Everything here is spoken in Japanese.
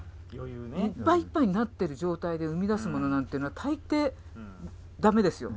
いっぱいいっぱいになってる状態で生み出すものなんてのは大抵駄目ですよ。